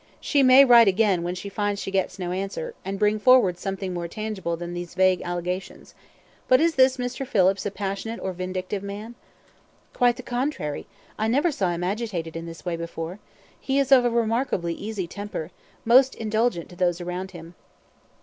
She may write again when she finds she gets no answer, and bring forward something more tangible than these vague allegations. But is this Mr. Phillips a passionate or vindictive man?" "Quite the contrary. I never saw him agitated in this way before. He is of a remarkably easy temper most indulgent to those around him."